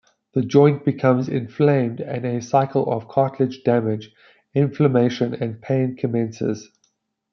The joint becomes inflamed and a cycle of cartilage damage, inflammation and pain commences.